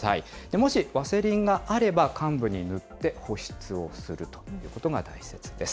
もしワセリンがあれば、患部に塗って、保湿をするということが大切です。